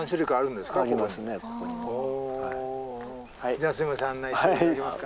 じゃあすいません案内して頂けますか？